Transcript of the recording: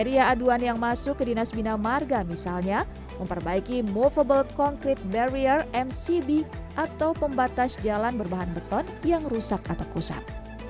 dari aduan yang masuk ke dinas bina marga misalnya memperbaiki movable concrete barrier mcb atau pembatas jalan berbahan beton yang rusak atau kusap